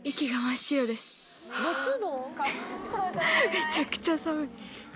めちゃくちゃ寒い！